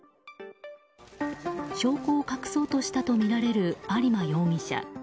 証拠を隠そうとしたとみられる有馬容疑者。